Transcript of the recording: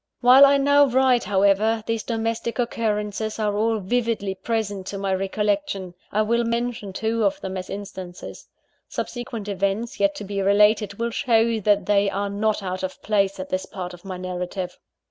While I now write, however, these domestic occurrences are all vividly present to my recollection. I will mention two of them as instances. Subsequent events, yet to be related, will show that they are not out of place at this part of my narrative.